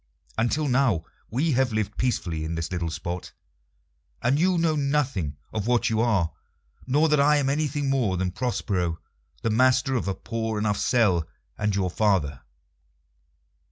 Until now we have lived peacefully in this little spot, and you know nothing of what you are, nor that I am anything more than Prospero, the master of a poor enough cell, and your father."